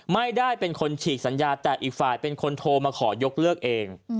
ไม่ได้เป็นคนฉีกสัญญาแต่อีกฝ่ายเป็นคนโทรมาขอยกเลิกเอง